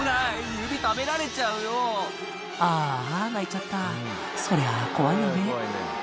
指食べられちゃうよああ泣いちゃったそりゃ怖いよね